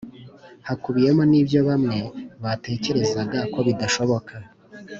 hakubiyemo n’ibyo bamwe batekerezaga ko bidashoboka